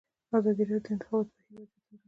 ازادي راډیو د د انتخاباتو بهیر وضعیت انځور کړی.